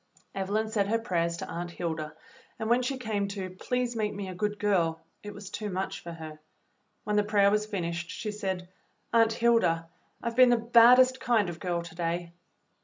Evelyn said her prayers to Aunt Hilda, and when she came to "Please make me a good girl," it was too much for her; when the prayer was finished she said, "Aunt Hilda, I've been the baddest kind of girl to day."